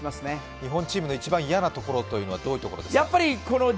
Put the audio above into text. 日本チームの一番嫌なところはどういうところですか？